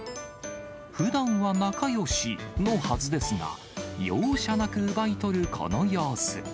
ふだんは仲よしのはずですが、容赦なく奪い取るこの様子。